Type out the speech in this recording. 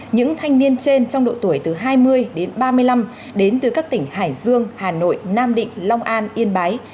những thanh niên trên trong độ tuổi từ hai mươi đến ba mươi năm đến từ các tỉnh hải dương hà nội nam định long an yên bái